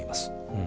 うん。